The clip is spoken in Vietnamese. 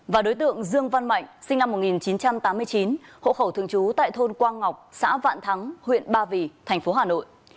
và đối tượng dương văn mạnh sinh năm một nghìn chín trăm tám mươi chín hộ khẩu thường trú tại thôn quang ngọc xã vạn thắng huyện ba vì thành phố hà nội